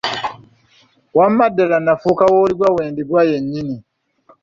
Wamma ddala nafuuka w’oliggwa wendiggwa yennyini.